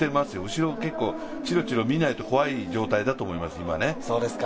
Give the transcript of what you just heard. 後ろ、結構チロチロ見ないと怖い状態だと思います。